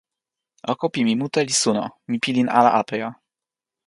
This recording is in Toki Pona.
oko pi mi mute li suno. mi pilin ala apeja.